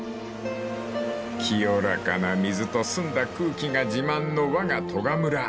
［清らかな水と澄んだ空気が自慢のわが利賀村］